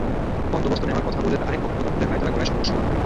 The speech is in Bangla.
বন্দোবস্ত নেওয়ার কথা বলে আরেক পক্ষ দখলের পাঁয়তারা করায় সংঘর্ষ বাধে।